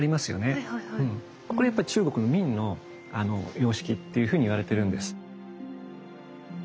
これやっぱり中国の明の様式というふうにいわれてるんです。